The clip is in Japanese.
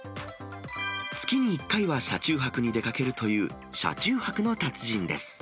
月に１回は車中泊に出かけるという、車中泊の達人です。